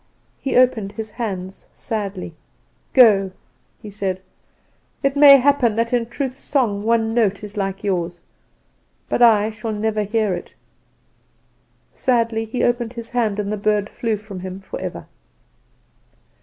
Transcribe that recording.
"He opened his hands sadly. "'Go!' he said. 'It may happen that in Truth's song one note is like yours; but I shall never hear it.' "Sadly he opened his hand, and the bird flew from him forever.